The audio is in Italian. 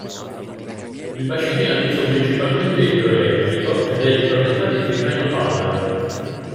Il bacino è ad uso principalmente idroelettrico ed è di proprietà di Tirreno Power.